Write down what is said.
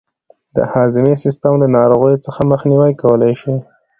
د هضمي سیستم له ناروغیو څخه مخنیوی کولای شو.